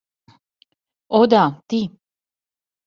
О да, ти.